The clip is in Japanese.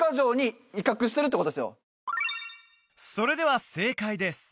それでは正解です